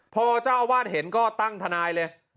พอเจ้าอาวาสเห็นก็ตั้งทนายเลย